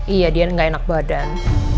iya dia nggak enak badan